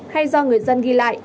hay do người dân ghi lại